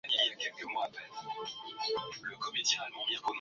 vifo kutokana na uchafuzi wa hewa ulimwenguni